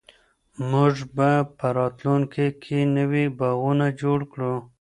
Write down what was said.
موږ به په راتلونکي کې نوي باغونه جوړ کړو.